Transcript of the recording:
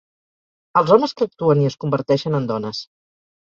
Als homes que actuen i es converteixen en dones.